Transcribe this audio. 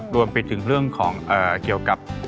รวมไปถึงเรื่องของเกี่ยวกับ